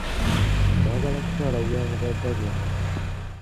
Baagala kutwala byabugagga byange.